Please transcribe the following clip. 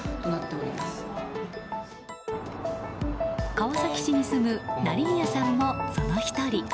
川崎市に住む成宮さんもその１人。